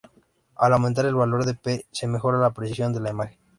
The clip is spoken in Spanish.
Al aumentar el valor de "p" se mejora la precisión de la imagen.